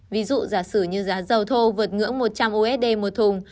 ví dụ giả sử như giá dầu thô vượt ngưỡng một trăm linh usd một thùng